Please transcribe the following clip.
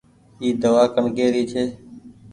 اي دوآ ڪڻڪي ري ڇي۔